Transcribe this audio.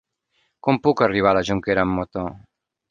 Com puc arribar a la Jonquera amb moto?